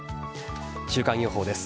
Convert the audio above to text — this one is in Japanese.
週間予報です。